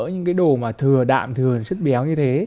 những cái đồ mà thừa đạm thừa chất béo như thế